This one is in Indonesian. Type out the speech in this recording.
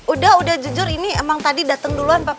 udah udah jujur ini emang tadi dateng duluan papa